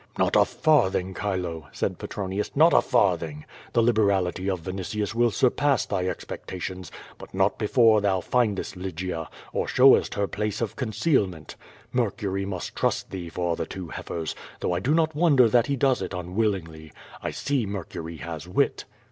'' "Not a farthing, Chilo," said Petronius, "not a farthing. The liberality of Yinitius will surpass thy expectations^ but not before thou findest Lygia, or showest her place of con cealment. Mercury must trust thee for the two heifers, though I do not wonder that he does it unwillingly. I see Mercury has wit."